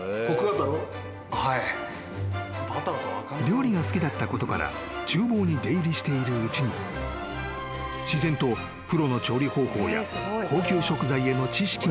［料理が好きだったことから厨房に出入りしているうちに自然とプロの調理方法や高級食材への知識が身に付いた］